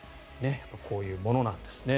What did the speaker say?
こういうものなんですね。